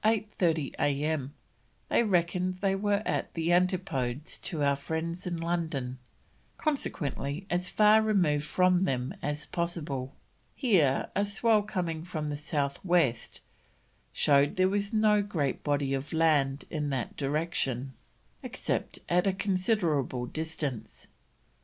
30 A.M., they reckoned they were "at the Antipodes to our friends in London, consequently as far removed from them as possible." Here a swell coming from the south west showed there was no great body of land in that direction, except at a considerable distance.